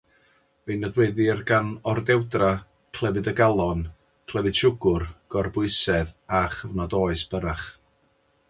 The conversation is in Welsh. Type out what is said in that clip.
Fe'i nodweddir gan ordewdra, clefyd y galon, clefyd siwgr, gorbwysedd a chyfnod oes byrrach.